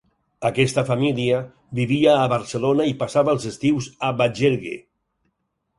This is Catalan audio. Aquesta família vivia a Barcelona i passava els estius a Bagergue.